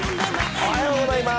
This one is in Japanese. おはようございます。